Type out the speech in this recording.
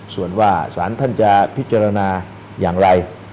ส่วนว่าสารท่านจะพิจารณาอย่างไร